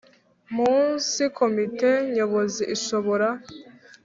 munsi Komite Nyobozi ishobora